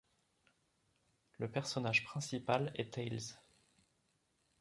Le personnage principal est Tails.